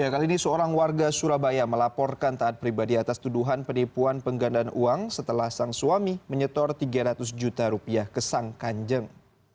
kali ini seorang warga surabaya melaporkan taat pribadi atas tuduhan penipuan penggandaan uang setelah sang suami menyetor tiga ratus juta rupiah ke sang kanjeng